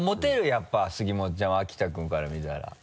やっぱり杉本ちゃんは秋田君から見たら。